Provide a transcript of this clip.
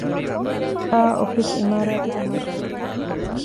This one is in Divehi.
އައު އޮފީސް ޢިމާރާތުގެ މަޝްރޫޢު